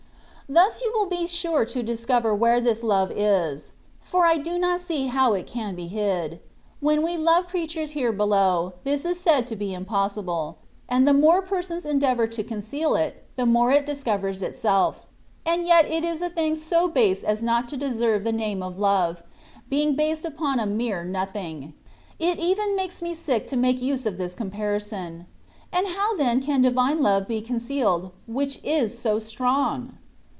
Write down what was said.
Thus you will be sure to discover where this love is, for I do not see how it can be hid. When we love creatures here below, this is said to be impossible, and the more persons endeavour to conceal it, the more it discovers itself; and yet it is a thing so base as not to deserve the name of love, being based upon a mere nothing : it even makes me sick to make use of this comparison ; and how then can divine love be concealed, which is so strong